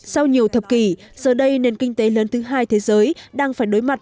sau nhiều thập kỷ giờ đây nền kinh tế lớn thứ hai thế giới đang phải đối mặt